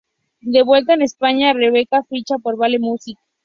De vuelta en España, Rebeca ficha por Vale Music.